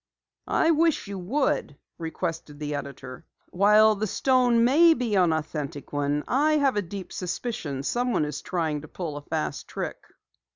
"I wish you would," requested the editor. "While the stone may be an authentic one, I have a deep suspicion someone is trying to pull a fast trick."